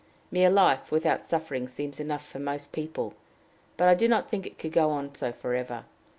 Mere life without suffering seems enough for most people, but I do not think it could go on so for ever.